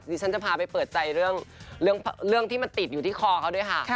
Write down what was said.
ฉันจะพาไปเปิดใจเรื่องที่มันติดอยู่ที่คอเขาด้วยค่ะ